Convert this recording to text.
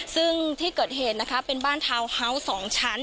ซึ่งที่เกิดเหตุนะคะเป็นบ้านทาวน์ฮาวส์๒ชั้น